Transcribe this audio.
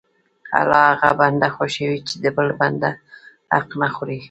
الله هغه بنده خوښوي چې د بل بنده حق نه خوري.